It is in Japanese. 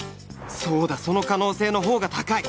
そうだその可能性のほうが高い